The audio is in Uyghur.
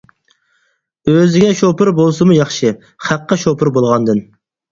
ئۆزىگە شوپۇر بولسىمۇ ياخشى خەققە شوپۇر بولغاندىن.